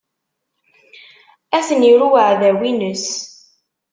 Ad ten-iru uɛdaw-ines.